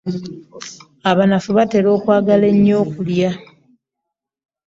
Abanafu batera okwagala ennyo okulya.